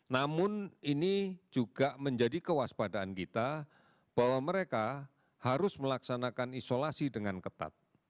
namun ini juga menjadi kewaspadaan kita bahwa mereka harus melaksanakan isolasi dengan ketat